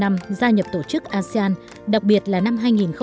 hai mươi năm năm gia nhập tổ chức asean đặc biệt là năm hai nghìn hai mươi